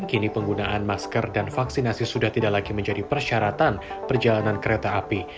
kini penggunaan masker dan vaksinasi sudah tidak lagi menjadi persyaratan perjalanan kereta api